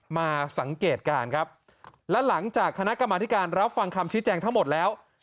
มาสังเกตการณ์ครับและหลังจากคณะกรรมธิการรับฟังคำชี้แจงทั้งหมดแล้ว